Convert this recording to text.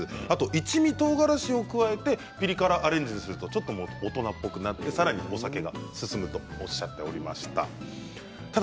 一味とうがらしを加えてピリ辛にアレンジすると大人っぽくなって、さらにお酒が進むとおっしゃっていました。